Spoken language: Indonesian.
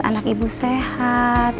anak ibu sehat